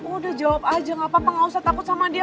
udah jawab aja gak apa apa nggak usah takut sama dia